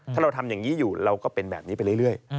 ถ้าเราทำอย่างนี้อยู่เราก็เป็นแบบนี้ไปเรื่อย